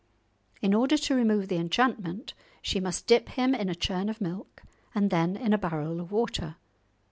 In order to remove the enchantment, she must dip him in a churn of milk, and then in a barrel of water.